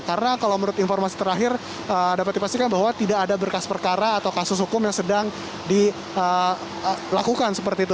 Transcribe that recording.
karena kalau menurut informasi terakhir dapat dipastikan bahwa tidak ada berkas perkara atau kasus hukum yang sedang dilakukan seperti itu